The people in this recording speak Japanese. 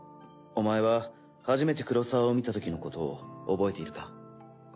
お前は初めて黒澤を見たときのことを覚えているか？